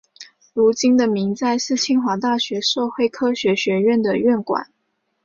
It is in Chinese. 如今的明斋是清华大学社会科学学院的院馆。